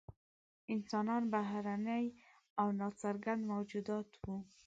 انسانان بهرني او نا څرګند موجودات وو.